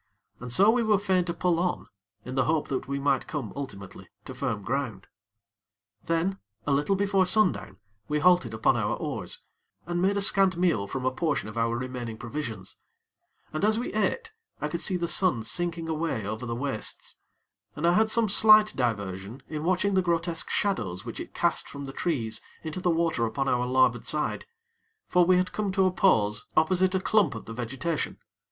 And so we were fain to pull on, in the hope that we might come ultimately to firm ground. Then, a little before sundown, we halted upon our oars, and made a scant meal from a portion of our remaining provisions; and as we ate, I could see the sun sinking away over the wastes, and I had some slight diversion in watching the grotesque shadows which it cast from the trees into the water upon our larboard side; for we had come to a pause opposite a clump of the vegetation.